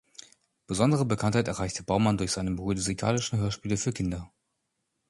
Besondere Bekanntheit erreichte Baumann durch seine musikalischen Hörspiele für Kinder.